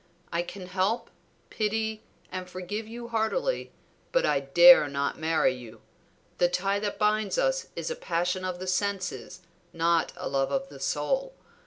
I can help, pity, and forgive you heartily, but I dare not marry you. The tie that binds us is a passion of the senses, not a love of the soul.